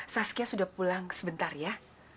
saskia sudah pulang sebentar ya